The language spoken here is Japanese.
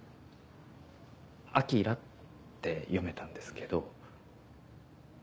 「アキラ」って読めたんですけど。